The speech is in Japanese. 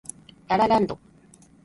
ラ・ラ・ランド